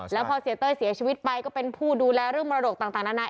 แล้วพอเสียเต้ยเสียชีวิตไปก็เป็นผู้ดูแลเรื่องมรดกต่างนานา